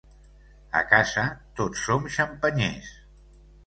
A casa, tots som xampanyers.